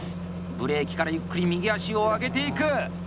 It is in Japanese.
ブレーキからゆっくり右足を上げていく！